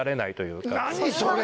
何それ！